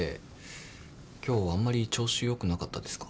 今日あんまり調子よくなかったですか？